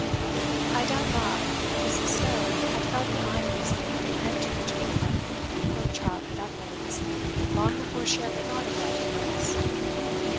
I doubt not, Mrs. Stowe had felt the iron of slavery enter into her heart, from childhood upwards, long before she ever thought of writing books.